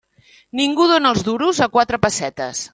Ningú dóna els duros a quatre pessetes.